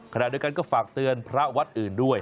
ขณะเดียวกันก็ฝากเตือนพระวัดอื่นด้วย